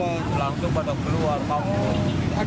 langsung pada keluar